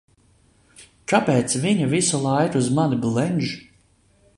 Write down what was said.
Kāpēc viņa visu laiku uz mani blenž?